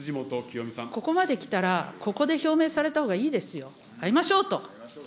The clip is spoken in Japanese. ここまできたら、ここで表明されたほうがいいですよ。